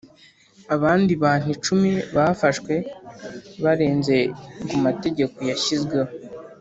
Abandi bantu icumi bafashwe barenze ku mategeko yashyizweho